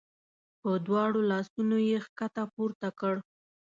په دواړو لاسونو یې ښکته پورته کړ.